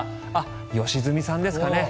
良純さんですかね。